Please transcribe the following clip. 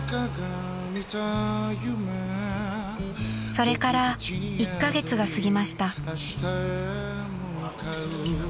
［それから１カ月が過ぎました］